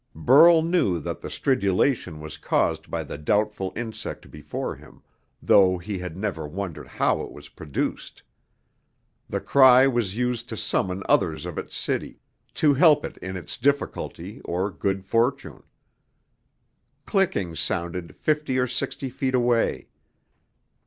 Burl knew that the stridulation was caused by the doubtful insect before him, though he had never wondered how it was produced. The cry was used to summon others of its city, to help it in its difficulty or good fortune. Clickings sounded fifty or sixty feet away.